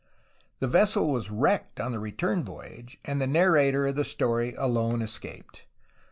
The vessel was wrecked on the return voyage, and the narrator of the story alone escaped.